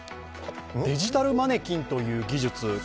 デジタルマネキンという技術